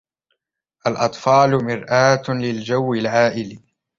الأطفال مرآة للجو العائلي.